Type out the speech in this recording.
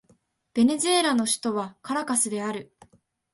ベネズエラの首都はカラカスである